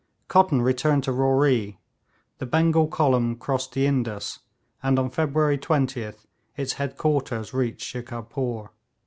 Cotton returned to Roree; the Bengal column crossed the Indus, and on February 20th its headquarters reached Shikarpore.